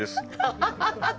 ハハハハ！